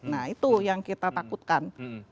nah itu yang kita takutkan